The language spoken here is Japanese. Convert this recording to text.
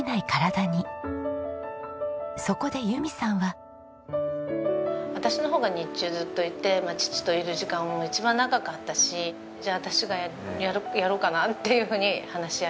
そこで由美さんは。私の方が日中ずっといて義父といる時間も一番長かったしじゃあ私がやろうかなっていうふうに話し合いしたね。